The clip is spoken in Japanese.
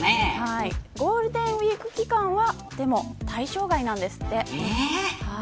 ゴールデンウイーク期間はでも、対象外なんですって。